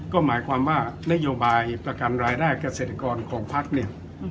ก็หมายความว่านโยบายประกันรายได้เกษตรกรของพักเนี่ย